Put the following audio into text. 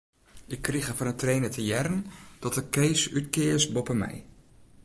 Ik krige fan 'e trainer te hearren dat er Kees útkeas boppe my.